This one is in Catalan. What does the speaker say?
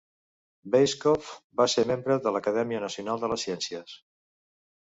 Weisskopf va ser membre de l'Acadèmia Nacional de les Ciències.